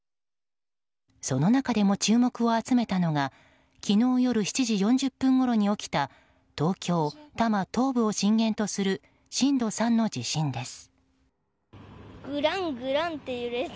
その中でも注目を集めたのが昨日夜７時４０分ごろに起きた東京多摩東部を震源とする震度３の地震です。